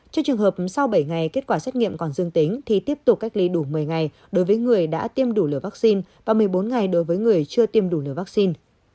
trước trường hợp sau bảy ngày kết quả xét nghiệm còn dương tính thì tiếp tục cách ly đủ một mươi ngày đối với người đã tiêm đủ liều vaccine và một mươi bốn ngày đối với người chưa tiêm đủ liều vaccine